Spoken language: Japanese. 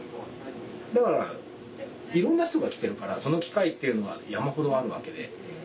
だからいろんな人が来てるからその機会っていうのは山ほどあるわけで。